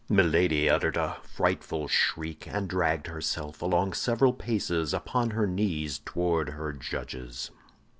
Milady uttered a frightful shriek, and dragged herself along several paces upon her knees toward her judges.